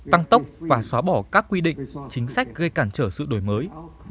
tăng tốc và xóa bỏ các quy định chính sách gây cản trở sự đổi mới